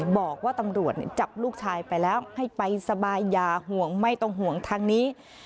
บอกว่าตำรวจจับลูกชายไปแล้วให้ไปสบายอย่าห่วงไม่ต้องห่วงทางนี้